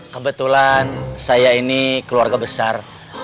kebetulan saya ini keluarga besar